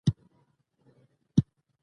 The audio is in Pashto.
هغه پنځه کلنه ده.